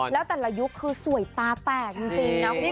แล้วแต่ละยุคคือสวยตาแตก